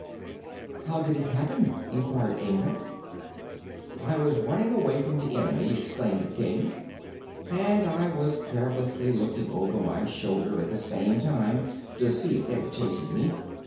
"How did it happen?" inquired Inga. "I was running away from the enemy," explained the King, "and I was carelessly looking over my shoulder at the same time, to see if they were chasing me.